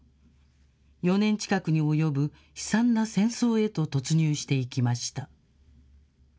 ４年近くに及ぶ悲惨な戦争へと突入していきました。